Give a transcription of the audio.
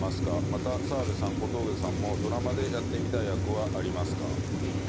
また澤部さん小峠さんもドラマでやってみたい役はありますか？